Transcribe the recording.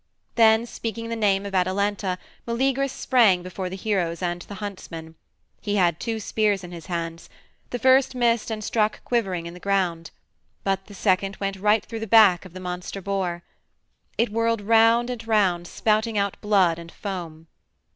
Then, speaking the name of Atalanta, Meleagrus sprang before the heroes and the huntsmen. He had two spears in his hands. The first missed and stuck quivering in the ground. But the second went right through the back of the monster boar. It whirled round and round, spouting out blood and foam.